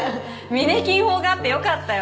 みね禁法があってよかったよ